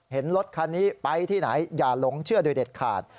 รถคันนี้ไปที่ไหนอย่าหลงเชื่อโดยเด็ดขาด